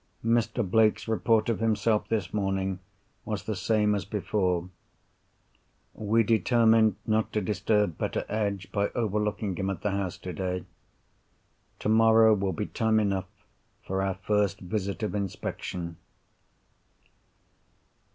Mr. Blake's report of himself, this morning, was the same as before. We determined not to disturb Betteredge by overlooking him at the house today. Tomorrow will be time enough for our first visit of inspection.